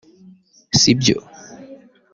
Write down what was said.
sibyo